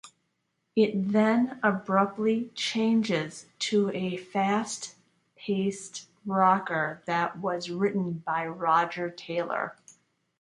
It then abruptly changes to a fast-paced rocker, that was written by Roger Taylor.